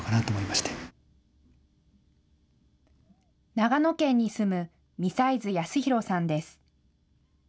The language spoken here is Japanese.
長野県に住む美齊津康弘さんです。